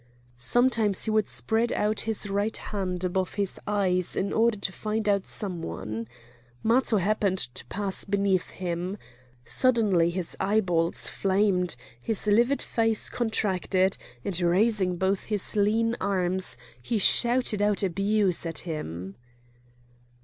Sometimes he would spread out his right hand above his eyes in order to find out some one. Matho happened to pass beneath him. Suddenly his eyeballs flamed, his livid face contracted; and raising both his lean arms he shouted out abuse at him.